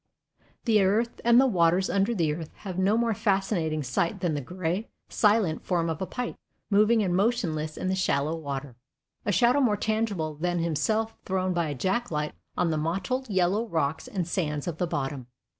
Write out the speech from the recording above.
The earth and the waters under the earth have no more fascinating sight than the gray, silent form of a pike, moving and motionless in the shallow water, a shadow more tangible than himself thrown by a jack light on the mottled yellow rocks and sands of the bottom.